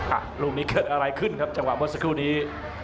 อ่ะลูกนี้เกิดอะไรขึ้นครับจังหวะเมื่อสักครู่นี้